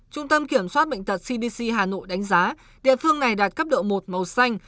trung tâm kiểm soát bệnh tật cdc hà nội đánh giá địa phương này đạt cấp độ một màu xanh